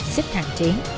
sức hạn chế